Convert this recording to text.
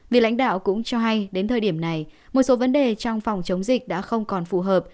vị lãnh đạo cũng cho hay đến thời điểm này một số vấn đề trong phòng chống dịch đã không còn phù hợp